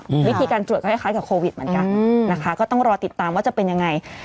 วิธีการตรวจก็คล้ายคล้ายกับโควิดเหมือนกันอืมนะคะก็ต้องรอติดตามว่าจะเป็นยังไง